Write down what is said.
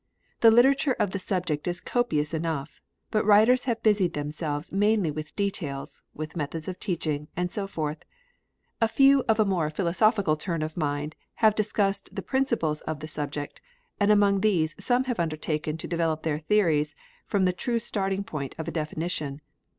The literature of the subject is copious enough. But writers have busied themselves mainly with details, with methods of teaching, and so forth. A few, of a more philosophical turn of mind, have discussed the principles of the subject, and among these some have undertaken to develop their theories from the true starting point of a definition.